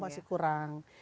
iya itu masih kurang